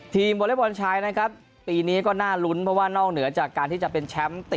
ทีมวอเลล์ตวอล๑๙๐๐ปีธีนี้ก็น่ารุ้นเพราะว่านอกเหนือจากการที่จะเป็นแชมป์